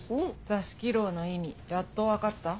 座敷牢の意味やっと分かった？